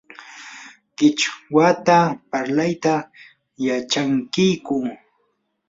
¿qichwata parlayta yachankiyku?